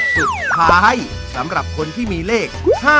สุดท้ายสำหรับคนที่มีเลข๕๑๕๖๓๖๔๒๔๗๘๙